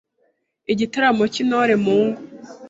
Igitaramo cy’Intore mu ngo